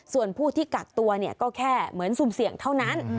ส่วนผู้ที่กักตัวก็แค่เหมือนซุ่มเสี่ยงเท่านั้น